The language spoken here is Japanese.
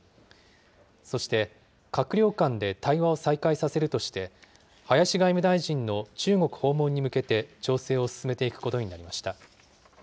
そして、閣僚間で対話を再開させるとして、林外務大臣の中国訪問に向けて調整を進めていくことになりました。